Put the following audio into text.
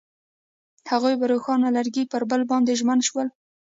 هغوی په روښانه لرګی کې پر بل باندې ژمن شول.